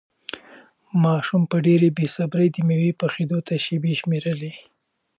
ماشوم په ډېرې بې صبري د مېوې پخېدو ته شېبې شمېرلې.